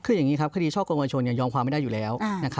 คืออย่างนี้ครับคดีช่อกงวชนยอมความไม่ได้อยู่แล้ว